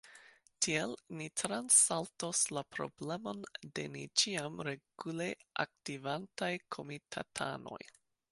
Tiel ni transsaltos la problemon de ne ĉiam regule aktivantaj komitatanoj.